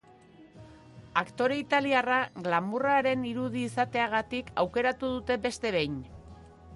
Aktore italiarra glamourraren irudi izateagatik aukeratu dute beste behin.